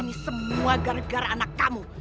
ini semua gara gara anak kamu